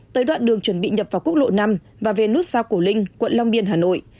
tới đoạn đường chuẩn bị nhập vào quốc lộ năm và về nút sao cổ linh quận long biên hà nội